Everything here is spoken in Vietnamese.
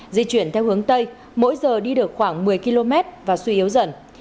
di chuyển theo hướng tây mỗi giờ đi được khoảng một mươi km và suy yếu dần